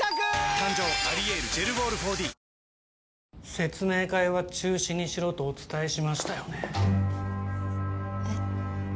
説明会は中止にしろとお伝えしましたよねえっ？